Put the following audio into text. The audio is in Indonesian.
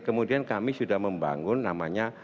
kemudian kami sudah membangun namanya